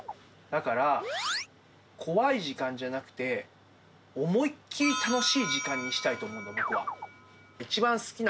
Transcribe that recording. だから、怖い時間じゃなくて、思いっ切り楽しい時間にしたいと思うのね。